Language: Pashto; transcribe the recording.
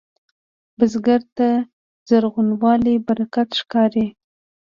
بزګر ته زرغونوالی برکت ښکاري